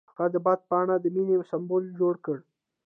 هغه د باد په بڼه د مینې سمبول جوړ کړ.